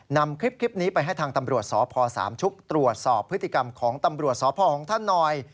นำคลิปนี้ไปให้ทางตำรวจสพสามชุกตรวจสอบพฤติกรรมของตำรวจสพของท่านหน่อย